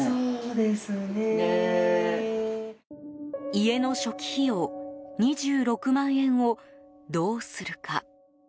家の初期費用２６万円をどうするか。